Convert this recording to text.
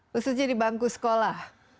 khususnya di bangku sekolah